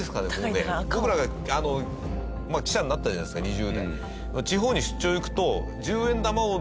僕らがまあ記者になったじゃないですか２０代。